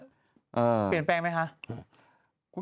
เปลี่ยนแปลงไหมคะ